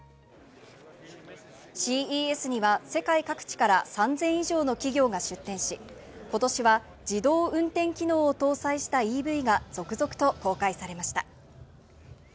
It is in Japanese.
ＣＥＳには世界各地から３０００以上の企業が出展し、今年は自動運転機能を搭載したＥＶが続々と公開されました。